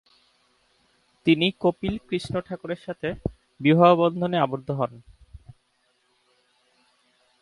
তিনি কপিল কৃষ্ণ ঠাকুরের সাথে বিবাহবন্ধনে আবদ্ধ হন।